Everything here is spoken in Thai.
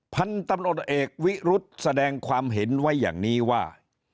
พันธุ์ตำรวจเอกวิรุธแสดงความเห็นไว้อย่างนี้ว่า